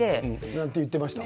何て言っていました？